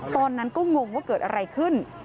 ตอนนั้นก็งงว่าเกิดอะไรขึ้น